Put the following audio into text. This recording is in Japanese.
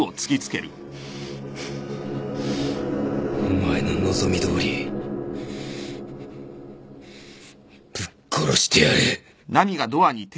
お前の望みどおりぶっ殺してやる！